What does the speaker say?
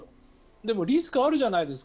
でもリスクあるじゃないですか。